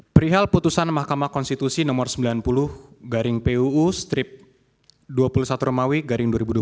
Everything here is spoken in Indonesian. perihal putusan mahkamah konstitusi nomor sembilan puluh garing puu strip dua puluh satu romawi garing dua ribu dua puluh